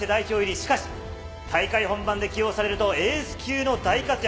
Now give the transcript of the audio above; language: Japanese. しかし、大会本番で起用されると、エース級の大活躍。